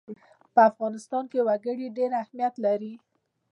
په افغانستان کې وګړي ډېر اهمیت لري.